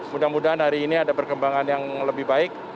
mudah mudahan hari ini ada perkembangan yang lebih baik